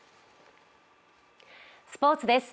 スポーツです。